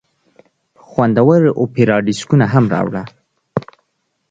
خوندور اوپيراډیسکونه هم راوړه.